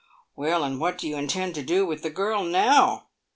" "Well, and what do you intend to do with the girl now?"